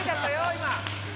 今。